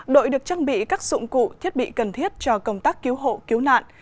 đội được trang bị các dụng cụ thiết bị cần thiết cho công tác cứu hộ cứu nạn